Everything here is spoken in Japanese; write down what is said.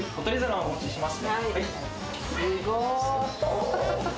すごーい。